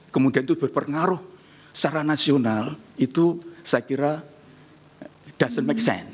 kemudian itu berpengaruh secara nasional itu saya kira ⁇ dostant make sense